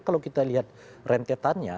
kalau kita lihat rentetannya